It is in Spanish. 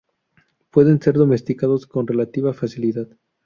Pueden ser domesticados con relativa facilidad.